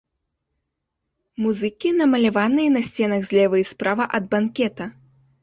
Музыкі намаляваныя на сценах злева і справа ад банкета.